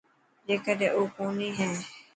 جيڪڏهن او ڪوني هي.